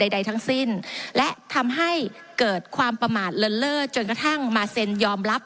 ใดทั้งสิ้นและทำให้เกิดความประมาทเลินเล่อจนกระทั่งมาเซ็นยอมรับ